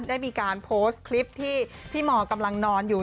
ได้มีการโพสต์คลิปที่พี่มกำลังนอนอยู่